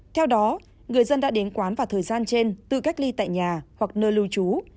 theo đó người dân đã đến quán vào thời gian trên tự cách ly tại nhà hoặc nơi lưu trú